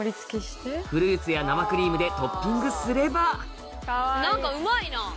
フルーツや生クリームでトッピングすれば何かうまいな。